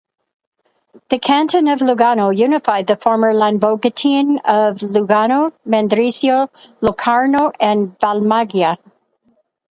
The canton of Lugano unified the former Landvogteien of Lugano, Mendrisio, Locarno and Valmaggia.